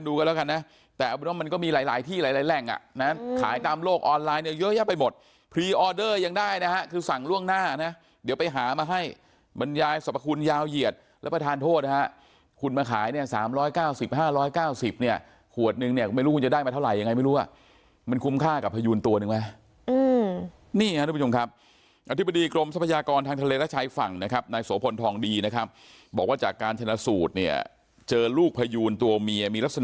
ดูกันแล้วกันนะแต่มันก็มีหลายหลายที่หลายหลายแรงอ่ะนะฮะขายตามโลกออนไลน์เนี้ยเยอะแยะไปหมดพรีออเดอร์ยังได้นะฮะคือสั่งล่วงหน้านะเดี๋ยวไปหามาให้บรรยายสรรพคุณยาวเหยียดและประทานโทษนะฮะคุณมาขายเนี้ยสามร้อยเก้าสิบห้าร้อยเก้าสิบเนี้ยขวดหนึ่งเนี้ยไม่รู้คุณจะได้มาเท่าไหร่ยังไง